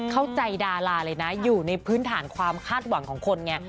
ดาราเลยนะอยู่ในพื้นฐานความคาดหวังของคนไง